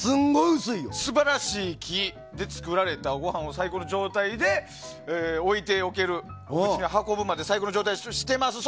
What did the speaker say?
素晴らしい木で作られたご飯を最高の状態で置いておける口に運ぶまで最高の状態にしてます。